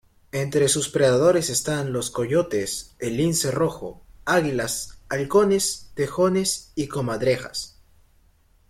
Entre sus predadores están los coyotes, el lince rojo, águilas, halcones, tejones y comadrejas.